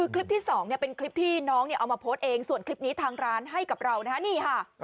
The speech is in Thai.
คลิปที่๒เป็นคลิปที่น้องเอามาโพสต์เองส่วนคลิปนี้ทางร้านให้กับเรานะฮะนี่ค่ะ